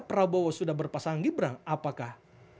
prabowo sudah berpasang gibran apakah